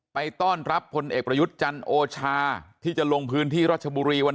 ไปต้อนรับพลเอกประยุทธ์จันทร์โอชาที่จะลงพื้นที่รัชบุรีวัน